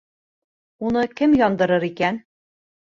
Уны кем яндырыр икән?